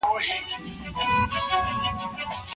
که هغه حالت دوام کړی وای نو موږ به پرمختللي وای.